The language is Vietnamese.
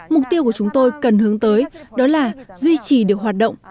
mục tiêu của chúng tôi cần hướng tới đó là duy trì được hoạt động